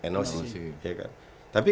noc ya kan tapi